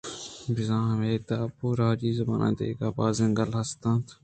بزاں ھمے داب ءَ راجی زُبان ءِ دِگہ بازیں گال ھست اَنت